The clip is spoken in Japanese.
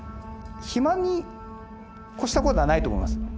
暇に越したことはないと思います。